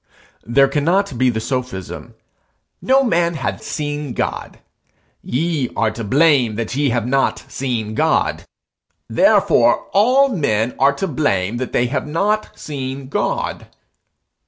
There cannot be the sophism: 'No man hath seen God; ye are to blame that ye have not seen God; therefore all men are to blame that they have not seen God!'